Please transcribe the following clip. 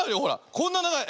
こんなながい。